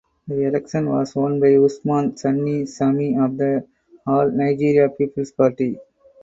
The election was won by Usman Sanni Sami of the All Nigeria Peoples Party.